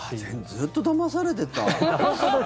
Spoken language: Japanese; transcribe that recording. ずっとだまされてた。